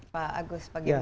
pak agus bagaimana